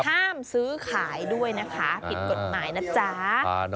ห้ามซื้อขายด้วยผิดกฎหมายนะจ้า